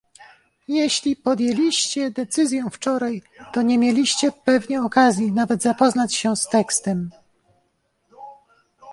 Jeśli podjęliście decyzję wczoraj, to nie mieliście pewnie okazji nawet zapoznać się z tekstem